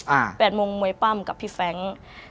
อ่า๘โมงมวยปั้มกับพี่แฟงก์